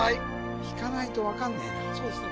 引かないと分かんねえなそうですね